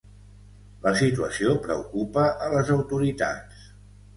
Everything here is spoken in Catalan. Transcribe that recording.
La situació preocupa a les autoritats.